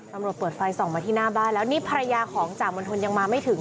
เปิดไฟส่องมาที่หน้าบ้านแล้วนี่ภรรยาของจ่ามณฑลยังมาไม่ถึง